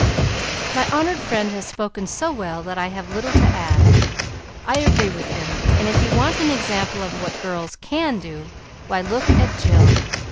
"My honored friend has spoken so well that I have little to add. I agree with him, and if you want an example of what girls can do, why, look at Jill.